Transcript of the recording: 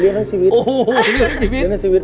เลี้ยงทางชีวิต